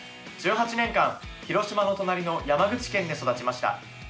１８年間、広島の隣の山口県で育ちました。